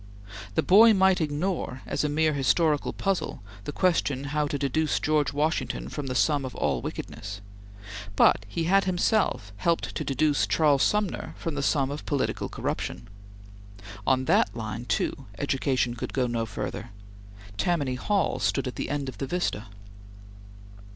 The boy might ignore, as a mere historical puzzle, the question how to deduce George Washington from the sum of all wickedness, but he had himself helped to deduce Charles Sumner from the sum of political corruption. On that line, too, education could go no further. Tammany Hall stood at the end of the vista.